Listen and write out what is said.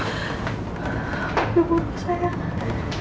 biar gak telat